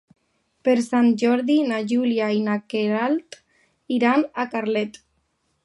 Per Sant Jordi na Júlia i na Queralt iran a Carlet.